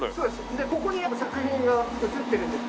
でここに作品が映ってるんですけど。